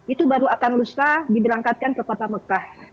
itu baru akan lusa diberangkatkan ke kota mekah